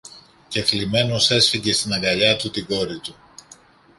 και θλιμμένος έσφιγγε στην αγκαλιά του την κόρη του